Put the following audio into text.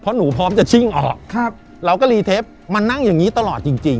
เพราะหนูพร้อมจะชิ่งออกครับเราก็รีเทปมานั่งอย่างงี้ตลอดจริงจริง